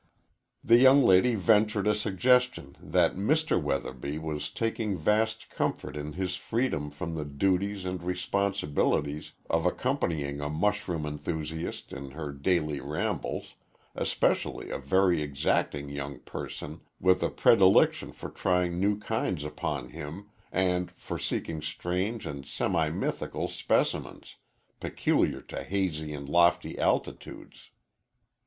The young lady ventured a suggestion that Mr. Weatherby was taking vast comfort in his freedom from the duties and responsibilities of accompanying a mushroom enthusiast in her daily rambles, especially a very exacting young person, with a predilection for trying new kinds upon him, and for seeking strange and semi mythical specimens, peculiar to hazy and lofty altitudes.